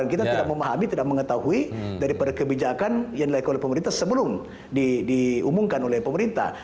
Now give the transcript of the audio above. kita tidak memahami tidak mengetahui daripada kebijakan yang dilakukan oleh pemerintah sebelum diumumkan oleh pemerintah